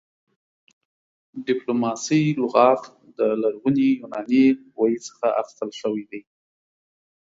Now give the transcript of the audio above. ډيپلوماسۍ لغت د لرغوني يوناني ویي څخه اخيستل شوی دی